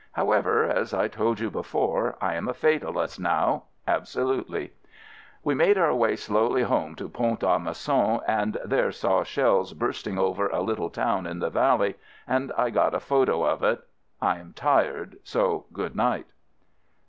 However, as I told you before, I am a fatalist now — absolutely. We made our way slowly home to Pont 86 AMERICAN AMBULANCE a Mousson and there saw shells bursting over a little town in the valley and I got a photo of it. I am tired, so good night.